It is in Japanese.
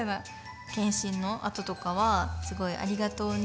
検診のあととかはすごい「ありがとうね見えたよ」とか。